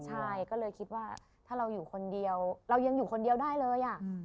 ใช่ก็เลยคิดว่าถ้าเราอยู่คนเดียวเรายังอยู่คนเดียวได้เลย